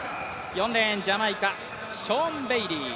４レーン、ジャマイカ、ショーン・ベイリー。